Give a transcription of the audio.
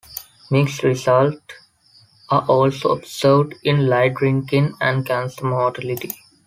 Mixed results are also observed in light drinking and cancer mortality.